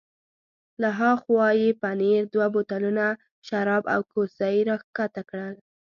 له ها خوا یې پنیر، دوه بوتلونه شراب او کوسۍ را کښته کړل.